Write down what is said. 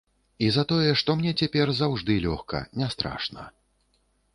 І за тое, што мне цяпер заўжды лёгка, нястрашна.